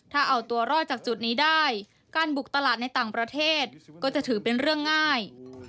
ถ้าเอาตัวรอดจากจุดนี้ได้การบุกตลาดในต่างประเทศก็จะถือเป็นเรื่องง่าย